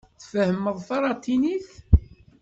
Tfehhmeḍ talatinit?